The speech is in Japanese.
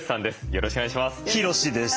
よろしくお願いします。